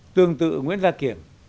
tương tự nguyễn gia kiểm